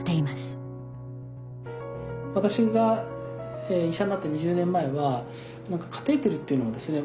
私が医者になった２０年前はカテーテルっていうのはですね